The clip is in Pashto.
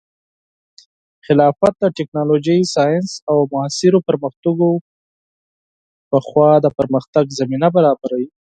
خلافت د ټیکنالوژۍ، ساینس، او معاصرو پرمختګونو په لور د پرمختګ زمینه برابروي.